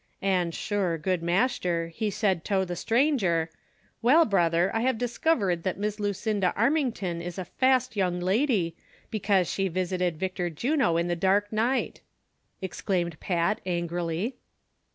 "An' shure, good mashter, he said tow the stranger: ' Well, brother, I have discivered that Miss Lucinda Arm ington is a fast young lady, becase she has visited Victor Juno in they dark night,' " exclaimed Pat, angrily.